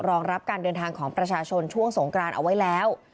รองรับการเดินทางของประชาชนช่วงสงกรานเอาไว้แล้ว